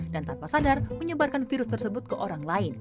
dan tanpa sadar menyebarkan virus tersebut ke orang lain